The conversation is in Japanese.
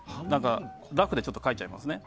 ラフで描いちゃいますね。